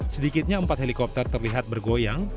sedikitnya empat helikopter terlihat bergoyang